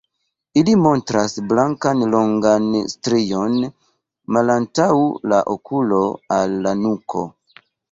Ili montras blankan longan strion malantaŭ la okulo al la nuko.